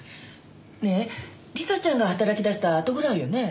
ねえ理沙ちゃんが働きだしたあとぐらいよね？